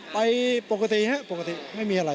ไปปกติครับปกติไม่มีอะไร